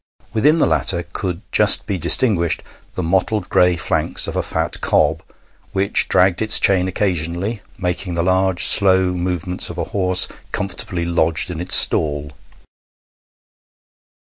Within the latter could just be distinguished the mottled gray flanks of a fat cob which dragged its chain occasionally, making the large slow movements of a horse comfortably lodged in its stall.